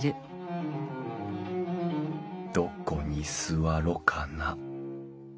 どこに座ろかな。